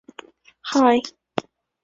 经费来源为财政补助收入和事业收入。